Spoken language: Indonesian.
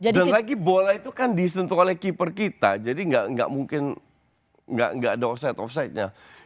dan lagi bola itu kan disentuh oleh keeper kita jadi enggak enggak mungkin enggak enggak ada offset offsidenya